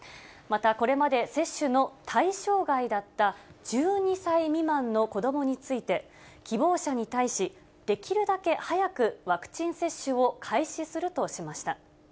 またこれまで、接種の対象外だった１２歳未満の子どもについて、希望者に対し、できるだけ早くワクチン接種を開始するとしました。